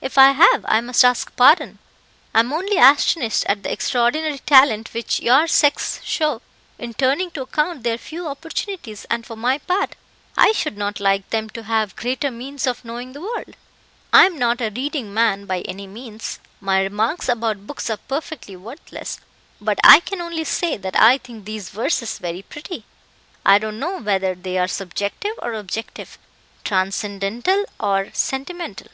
If I have, I must ask pardon. I am only astonished at the extraordinary talent which your sex show in turning to account their few opportunities; and for my part, I should not like them to have greater means of knowing the world. I am not a reading man, by any means. My remarks about books are perfectly worthless, but I can only say that I think these verses very pretty. I don't know whether they are subjective or objective transcendental or sentimental.